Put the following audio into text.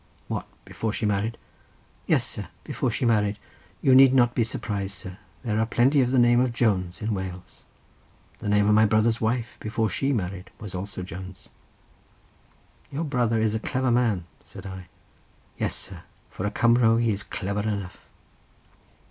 "What, before she married?" "Yes, sir, before she married. You need not be surprised, sir; there are plenty of the name of Jones in Wales. The name of my brother's wife, before she married, was also Jones." "Your brother is a clever man," said I. "Yes, sir, for a Cumro he is clebber enough."